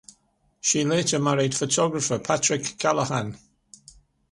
She later married photographer Patrick Callahan.